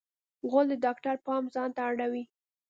غول د ډاکټر پام ځانته اړوي.